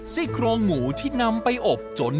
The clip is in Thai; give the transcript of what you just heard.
ใช่ค่ะ